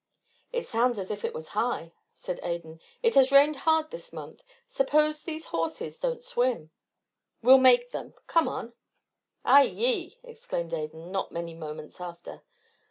"It sounds as if it was high," said Adan. "It has rained hard this month. Suppose these horses don't swim?" "We'll make them. Come on." "Ay! yi!" exclaimed Adan, not many moments after.